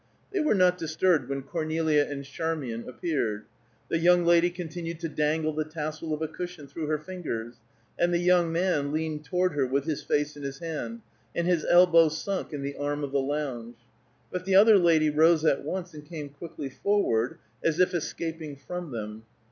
They were not disturbed when Cornelia and Charmian appeared; the young lady continued to dangle the tassel of a cushion through her fingers, and the young man leaned toward her with his face in his hand, and his elbow sunk in the arm of the lounge; but the other lady rose at once and came quickly forward, as if escaping from them.